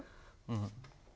うん。